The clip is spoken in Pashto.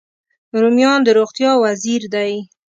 رومیان د روغتیا وزیر دی